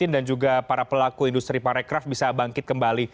dan juga para pelaku industri para aircraft bisa bangkit kembali